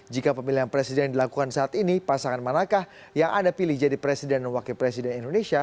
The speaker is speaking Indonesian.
jika pemilihan presiden dilakukan saat ini pasangan manakah yang anda pilih jadi presiden dan wakil presiden indonesia